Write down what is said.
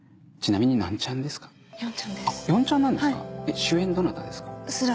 主演どなたですか？